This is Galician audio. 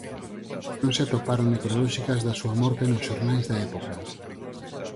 Non se atoparon necrolóxicas da súa morte nos xornais da época.